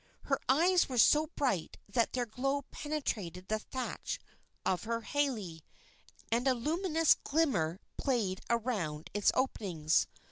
Her eyes were so bright that their glow penetrated the thatch of her hale, and a luminous glimmer played around its openings.